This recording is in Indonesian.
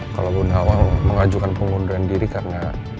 kalau bu nawang mengajukan pengunduran diri karena